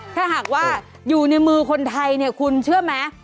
ถ้าหากว่าอยู่ในมือคนไทยเนี่ยคุณเชื่อไหม